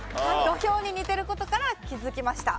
土俵に似てる事から気づきました。